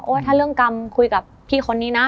ถ้าเรื่องกรรมคุยกับพี่คนนี้นะ